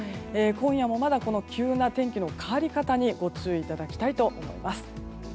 今夜もまだ急な天気の変わり方にご注意いただきたいと思います。